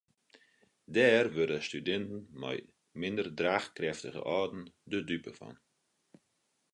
Dêr wurde studinten mei minder draachkrêftige âlden de dupe fan.